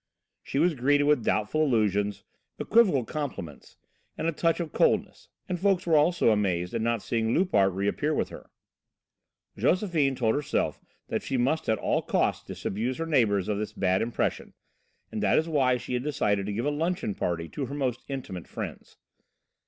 She was greeted with doubtful allusions, equivocal compliments, with a touch of coldness, and folks were also amazed at not seeing Loupart reappear with her. Josephine told herself that she must at all costs disabuse her neighbours of this bad impression, and that is why she had decided to give a luncheon party to her most intimate friends.